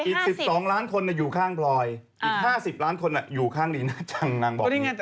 อีก๑๒ล้านคนอยู่ข้างพลอยอีก๕๐ล้านคนอยู่ข้างลีน่าจังนางบอกอย่างนี้